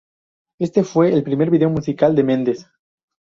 Este fue el primer vídeo musical de Mendes.